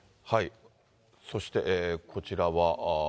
そしてこちらは。